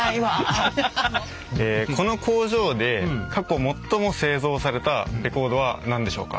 この工場で過去最も製造されたレコードは何でしょうか？